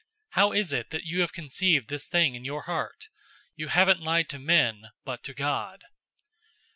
How is it that you have conceived this thing in your heart? You haven't lied to men, but to God."